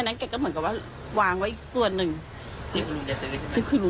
อันนั้นแกก็เหมือนกับว่าวางไว้อีกกว่าหนึ่งที่คุณลุง